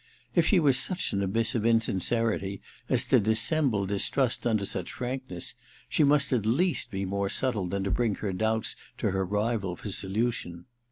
If she were such an abyss of insin cerity as to dissemble distrust under such frank ness, she must at least be more subde than to bring her doubts to her rival for solution.